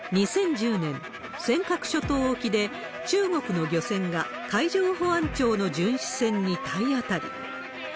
２０１０年、尖閣諸島沖で中国の漁船が海上保安庁の巡視船に体当たり。